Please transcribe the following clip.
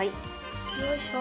よいしょ。